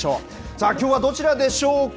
さあ、きょうはどちらでしょうか？